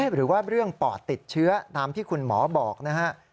หรือว่าเรื่องปอดติดเชื้อตามที่คุณหมอบอกนะครับ